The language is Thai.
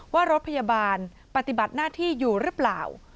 ว่ารถพยาบาลปฏิบัติหน้าที่อยู่หรือเปล่า